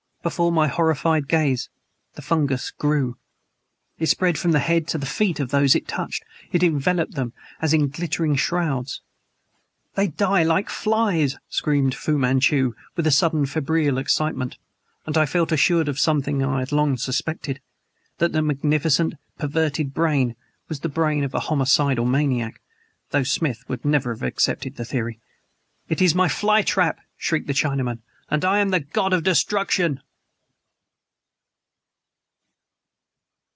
Before my horrified gaze, THE FUNGUS GREW; it spread from the head to the feet of those it touched; it enveloped them as in glittering shrouds. ... "They die like flies!" screamed Fu Manchu, with a sudden febrile excitement; and I felt assured of something I had long suspected: that that magnificent, perverted brain was the brain of a homicidal maniac though Smith would never accept the theory. "It is my fly trap!" shrieked the Chinaman. "And I am the god of destruction!"